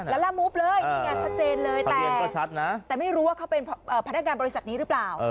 แล้วละมุบเลยนี่ไงชัดเจนเลยแต่ไม่รู้ว่าเขาเป็นพนักงานบริษัทนี้หรือเปล่า